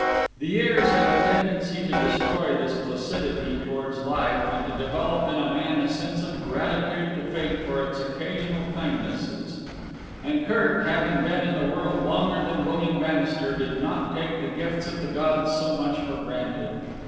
The years have a tendency to destroy this placidity towards life and to develop in man a sense of gratitude to fate for its occasional kindnesses; and Kirk, having been in the world longer than William Bannister, did not take the gifts of the gods so much for granted.